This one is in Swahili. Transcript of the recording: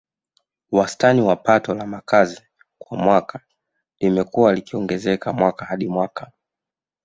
Wastani wa Pato la Mkazi kwa mwaka limekuwa likiongezeka mwaka hadi mwaka